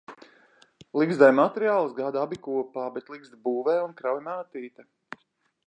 Ligzdai materiālus gādā abi kopā, bet ligzdu būvē un krauj mātīte.